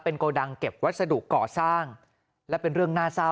โกดังเก็บวัสดุก่อสร้างและเป็นเรื่องน่าเศร้า